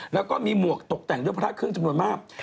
แล้วก็มีหมวกตกแต่งด้วยพระเครื่องจำนวนมาก